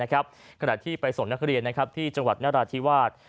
ขณะที่ไปส่งนักเรียนที่จังหวัดนราธิวาส